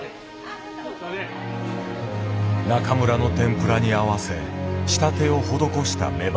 中村の天ぷらに合わせ仕立てを施したメバル。